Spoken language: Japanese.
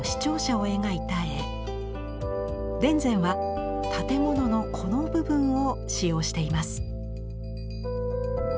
田善は建物のこの部分を使用しています。